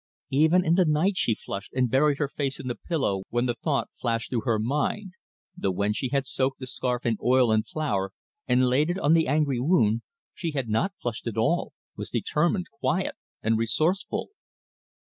Even in the night she flushed and buried her face in the pillow when the thought flashed through her mind; though when she had soaked the scarf in oil and flour and laid it on the angry wound she had not flushed at all, was determined, quiet, and resourceful.